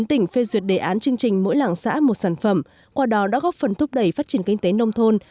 hai mươi chín tỉnh phê duyệt đề án chương trình mỗi làng xã một sản phẩm qua đó đã góp phần thúc đẩy phát triển kinh tế nông thôn